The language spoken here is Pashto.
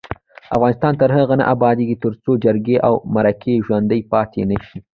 افغانستان تر هغو نه ابادیږي، ترڅو جرګې او مرکې ژوڼدۍ پاتې نشي.